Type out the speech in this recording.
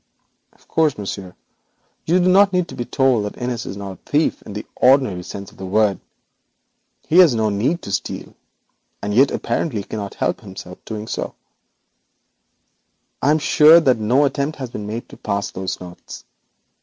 Of course, monsieur, you do not need to be told that Innis is not a thief in the ordinary sense of the word. He has no need to steal, and yet apparently cannot help doing so. I am sure that no attempt has been made to pass those notes.